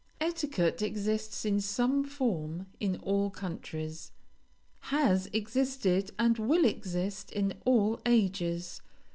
Etiquette exists in some form in all countries, has existed and will exist in all ages.